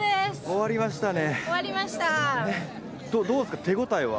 終わりましたね